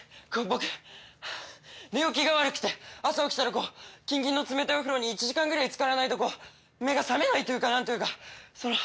僕寝起きが悪くて朝起きたらキンキンの冷たいお風呂に１時間ぐらいつからないとこう目が覚めないというかなんというかその。